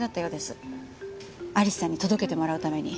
アリスちゃんに届けてもらうために。